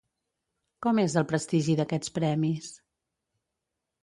Com és el prestigi d'aquests premis?